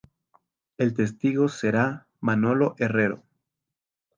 El testigo será Manolo Herrero.